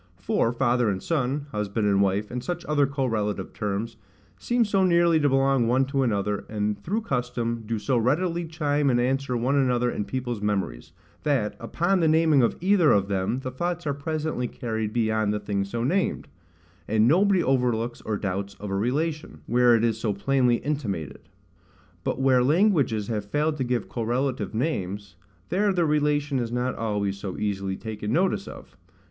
For father and son, husband and wife, and such other correlative terms, seem so nearly to belong one to another, and, through custom, do so readily chime and answer one another in people's memories, that, upon the naming of either of them, the thoughts are presently carried beyond the thing so named; and nobody overlooks or doubts of a relation, where it is so plainly intimated. But where languages have failed to give correlative names, there the relation is not always so easily taken notice of.